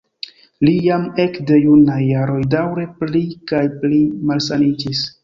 Li jam ekde junaj jaroj daŭre pli kaj pli malsaniĝis.